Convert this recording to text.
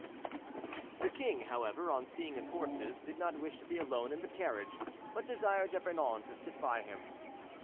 The king, however, on seeing his horses, did not wish to be alone in the carriage, but desired D'Epernon to sit by him.